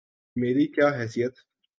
میری کیا حیثیت؟